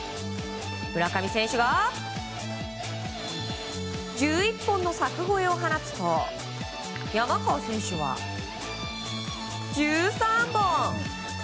村上選手は１１本の柵越えを放つと山川選手は、１３本。